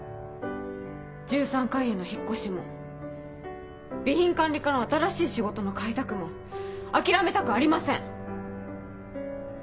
１３階への引っ越しも備品管理課の新しい仕事の開拓も諦めたくありません。